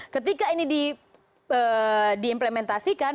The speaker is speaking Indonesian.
ketika ini diimplementasikan